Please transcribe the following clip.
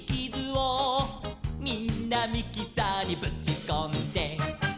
「みんなミキサーにぶちこんで」